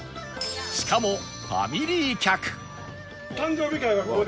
しかもファミリー客